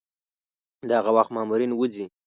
دغه وخت مامورین وځي.